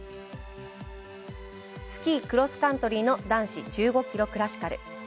スキークロスカントリーの男子１５キロクラシカル。